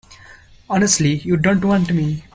Honestly, you don't want me.